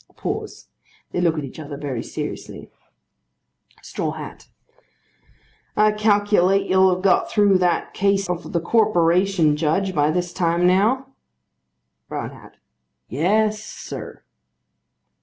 A pause. They look at each other, very seriously. STRAW HAT. I calculate you'll have got through that case of the corporation, Judge, by this time, now? BROWN HAT. Yes, sir.